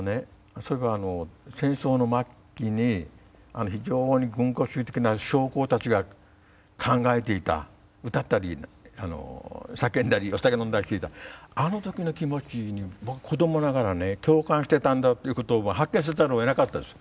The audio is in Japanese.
そういえば戦争の末期に非常に軍国主義的な将校たちが考えていた歌ったり叫んだりお酒飲んだりしていたあのときの気持ちに僕子どもながらね共感してたんだっていうことを発見せざるをえなかったんです。